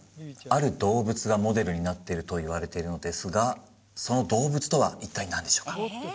ある動物がモデルになってるといわれているのですがその動物とは一体何でしょうか？